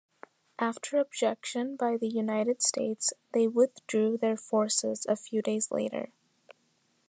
After objection by the United States, they withdrew their forces a few days later.